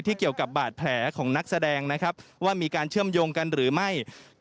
เกี่ยวกับบาดแผลของนักแสดงนะครับว่ามีการเชื่อมโยงกันหรือไม่